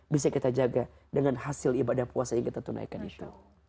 bisa kita jaga dengan hasil ibadah puasa yang kita tunaikan di situ